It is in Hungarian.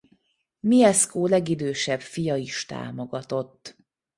Mieszko legidősebb fia is támogatott.